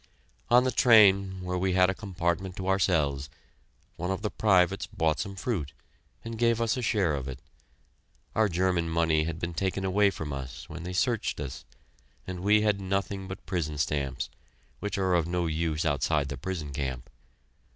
On the train, where we had a compartment to ourselves, one of the privates bought some fruit, and gave us a share of it. Our German money had been taken away from us when they searched us, and we had nothing but prison stamps, which are of no use outside the prison camp.